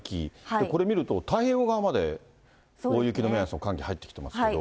これ見ると太平洋側まで大雪の目安の寒気、入ってきてますけど。